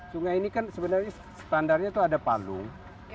sungai ini kan sebenarnya standarnya itu ada palung